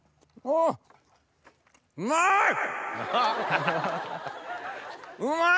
わうまい！